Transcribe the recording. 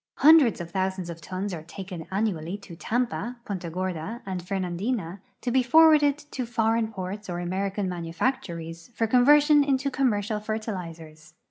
Hundreds of thousands of tons are taken annually te Tampa, Punta Gorda, and Fernandina to be forwarded to foreign j)orts or American manufactories for conversion into commercial fertilizers.